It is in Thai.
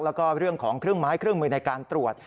แล้วก็เรื่องของเครื่องไม้เครื่องมือในการตรวจ